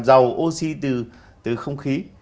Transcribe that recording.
dầu oxy từ không khí